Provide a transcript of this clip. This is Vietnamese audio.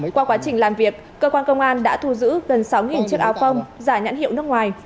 qua quá trình làm việc cơ quan công an đã thu giữ gần sáu chiếc áo phông giả nhãn hiệu nước ngoài